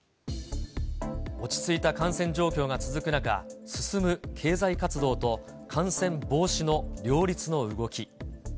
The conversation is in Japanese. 落ち着いた感染状況が続く中、進む経済活動と感染防止の両立の動き。